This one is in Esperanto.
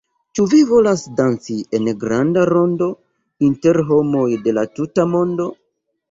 Ĉu vi volas danci en granda rondo, inter homoj de la tuta mondo?